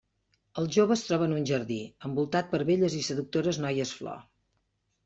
El jove es troba en un jardí, envoltat per belles i seductores noies-flor.